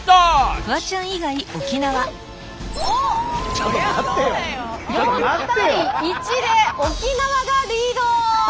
おっ４対１で沖縄がリード！